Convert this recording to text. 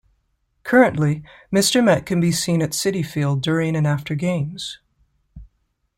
Currently, Mr. Met can be seen at Citi Field during and after games.